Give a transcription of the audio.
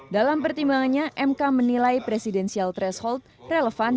dalam pertimbangannya mk menilai presidensial threshold relevan